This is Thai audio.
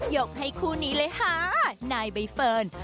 ยกให้คู่นี้เลยค่ะนายใบเฟิร์น